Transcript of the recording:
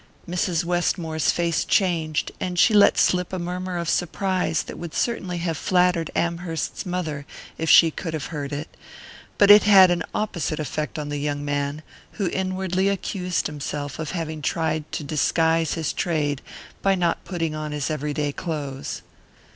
Mrs. Westmore's face changed, and she let slip a murmur of surprise that would certainly have flattered Amherst's mother if she could have heard it; but it had an opposite effect on the young man, who inwardly accused himself of having tried to disguise his trade by not putting on his everyday clothes.